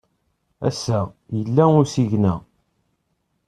Ass-a, yella usigna.